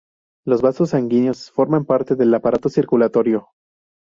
Los vasos sanguíneos forman parte del aparato circulatorio.